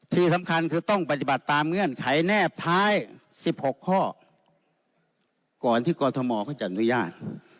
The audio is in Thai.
ที่สำคัญคือต้องปฏิบัติตามเงื่อนไขแนบท้าย๑๖ข้อก่อนที่กรทมเขาจะอนุญาต